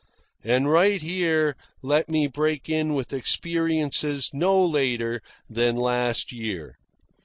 And right here let me break in with experiences no later than last year.